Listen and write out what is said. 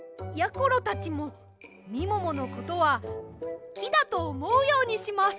ころたちもみもものことはきだとおもうようにします。